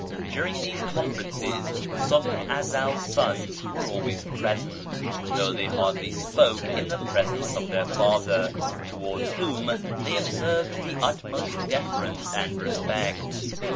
During these conferences Subh i Ezel's sons were always present, though they hardly spoke in the presence of their father, towards whom they observed the utmost deference and respect.